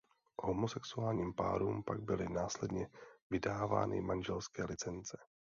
Homosexuálním párům pak byly následně vydávány manželské licence.